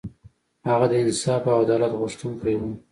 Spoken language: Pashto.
هغه د انصاف او عدالت غوښتونکی و.